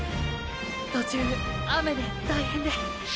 途中雨で大変で。